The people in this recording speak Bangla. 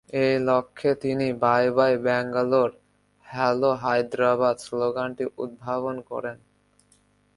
এই লক্ষ্যে তিনি "বাই-বাই ব্যাঙ্গালোর, হ্যালো হায়দ্রাবাদ" স্লোগানটি উদ্ভাবন করেন।